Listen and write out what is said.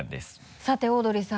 さてオードリーさん。